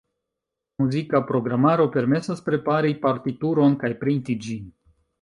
Muzika programaro permesas prepari partituron kaj printi ĝin.